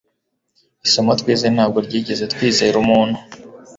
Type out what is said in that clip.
isomo twize ntabwo ryigeze twizera umuntu